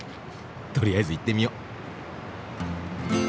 とりあえず行ってみよ！